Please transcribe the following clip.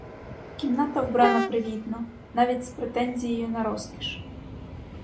Кімната вбрана привітно, навіть із претензією на розкіш.